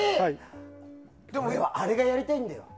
でも今、あれがやりたいんだよ。